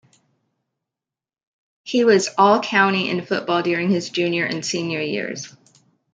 He was All-County in football during his junior and senior years.